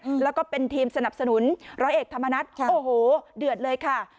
อืมแล้วก็เป็นทีมสนับสนุนร้อยเอกธรรมนัฐค่ะโอ้โหเดือดเลยค่ะ